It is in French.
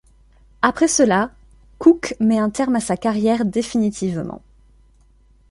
Après cela, Cook met un terme à sa carrière définitivement.